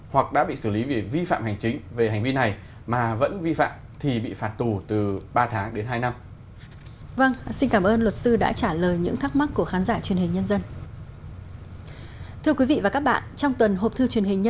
hoặc đã bị xử lý vì vi phạm hành chính về hành vi này mà vẫn vi phạm thì bị phạt tù